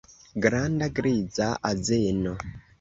Granda griza azeno.